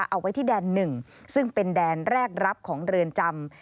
เอาไว้ที่แดน๑ซึ่งเป็นแดนแรกรับของเรือนจำ